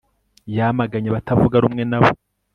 Yamaganye abatavuga rumwe na we